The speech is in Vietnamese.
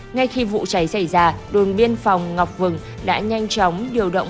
ngay khi vụ cháy xảy ra đường biên phòng ngọc vường đã nhanh chóng điều động